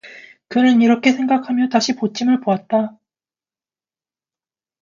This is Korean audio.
그는 이렇게 생각하며 다시 봇짐을 보았다.